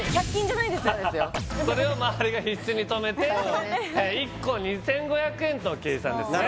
それを周りが必死に止めて止めて１個２５００円の計算ですね